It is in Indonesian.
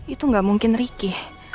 itu gak mungkin ricky